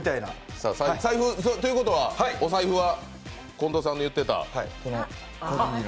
ということは、お財布は近藤さんの言っていた？